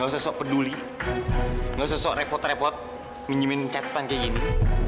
gak usah sok peduli gak usah sok peduli gak usah sok repot repot menyimit catatan kayak gini